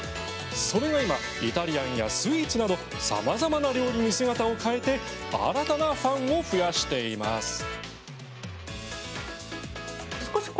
それが今イタリアンやスイーツなどさまざまな料理に姿を変えて新たなファンを増やしています。